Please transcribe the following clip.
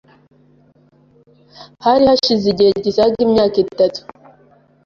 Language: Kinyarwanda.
Hari hashize igihe gisaga imyaka itatu